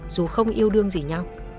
dù không yêu đương gì nhau